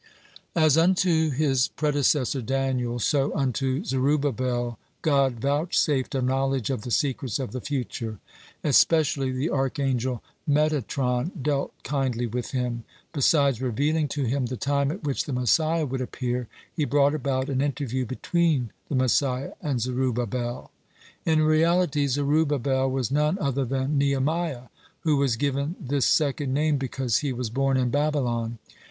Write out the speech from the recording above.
(24) As unto his predecessor Daniel, so unto Zerubbabel, God vouchsafed a knowledge of the secrets of the future. Especially the archangel Metatron dealt kindly with him. Besides revealing to him the time at which the Messiah would appear, he brought about an interview between the Messiah and Zerubbabel. (25) In reality, Zerubbabel was none other than Nehemiah, who was given this second name because he was born in Babylon.